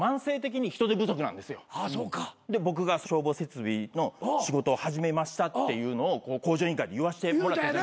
で僕が消防設備の仕事を始めましたっていうのを『向上委員会』で言わしてもらったじゃないですか。